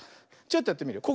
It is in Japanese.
ちょっとやってみるよ。